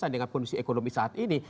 dengan kondisi ekonomi saat ini